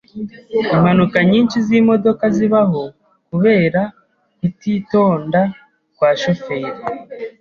Impanuka nyinshi zimodoka zibaho kubera kutitonda kwa shoferi.